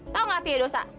tau gak hatinya dosa